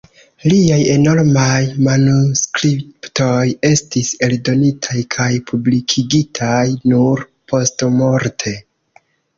Liaj enormaj manuskriptoj estis eldonitaj kaj publikigitaj nur postmorte.